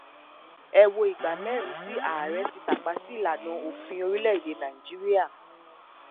Ẹ wo ìgbà mẹ́rin tí Ààrẹ ti tàpá sí ìlànà òfin orílẹ̀-èdè Nàíjíríà.